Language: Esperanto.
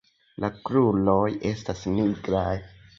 La kruroj estas nigraj.